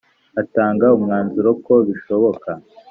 atanga umwanzuro ko bishoboka